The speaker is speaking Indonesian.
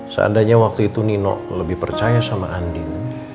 seandainya waktu itu nino lebih percaya sama andin